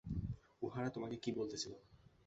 উহারা তোমাকে কী বলিতেছিল?